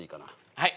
はい。